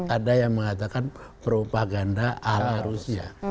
ada yang mengatakan propaganda ala rusia